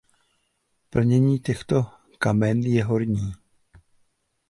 Plnění těchto kamen je horní.